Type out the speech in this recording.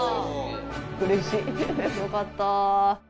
よかった。